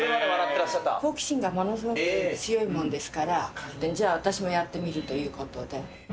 好奇心がものすごく強いものですから、じゃあ、私もやってみるということで。